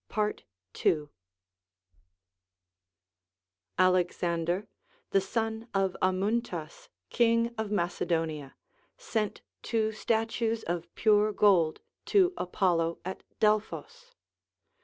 Alexander, the son of Amyntas, king of Macedonia, sent two statues of pure gold to Apollo at Delphos.